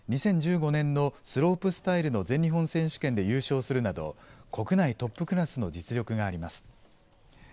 ２０１５年のスロープスタイルの全日本選手権で優勝するなど、国内トップクラスの実力があります。